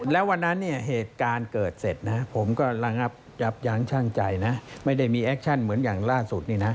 แล้ววันนั้นเนี่ยเหตุการณ์เกิดเสร็จนะผมก็ระงับยับยั้งช่างใจนะไม่ได้มีแอคชั่นเหมือนอย่างล่าสุดนี่นะ